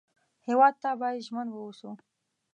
هېواد ته باید ژمن و اوسو